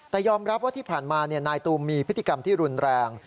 แต่ยอมรับว่าที่ผ่านมานายตูมมีพฤติกรรมที่รุนแรง